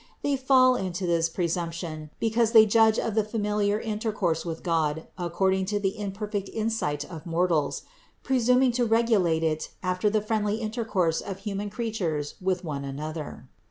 They fall into this presumption because they judge of the familiar intercourse with God according to the imperfect insight of mortals, presuming to regulate it after the friendly intercourse of human creatures with one another.